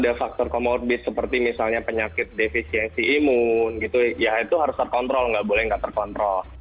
ada faktor comorbid seperti misalnya penyakit defisiensi imun gitu ya itu harus terkontrol nggak boleh nggak terkontrol